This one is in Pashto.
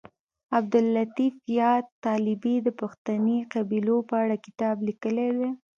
عبداللطیف یاد طالبي د پښتني قبیلو په اړه کتاب لیکلی دی